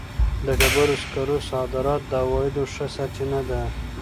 د ډبرو سکرو صادرات د عوایدو ښه سرچینه ده.